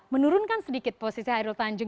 menurunkan sedikit posisi hairul tanjung